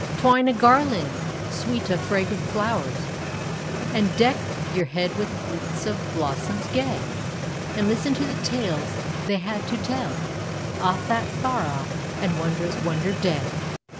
twine a garland sweet of fragrant flowers, And deck your head with wreaths of blossoms gay. And listen to the tales they have to tell Of that far off and wondrous Wonder Day